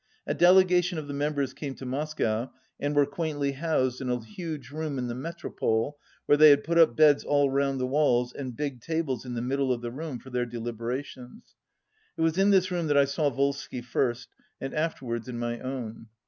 A delegation of the mem bers came to Moscow, and were quaintly housed in a huge room in the Metropole, where they had put up beds all round the walls and big tables in the middle of the room for their deliberations. It was in this room that I saw Volsky first, and after wards in my own.